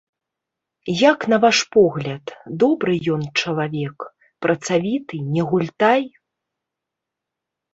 Як на ваш погляд, добры ён чалавек, працавіты, не гультай?